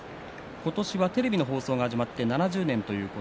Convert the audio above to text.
今年はテレビの放送が始まって７０年。